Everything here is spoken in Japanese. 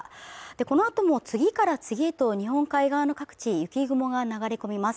このあとも次から次へと日本海側の各地雪雲が流れ込みます